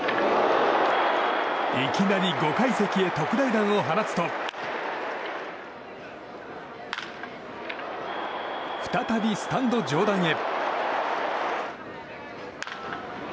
いきなり５階席へ特大弾を放つと再びスタンド上段へ。